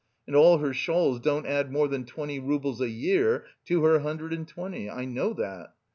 And all her shawls don't add more than twenty roubles a year to her hundred and twenty, I know that.